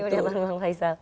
kelas sekali nih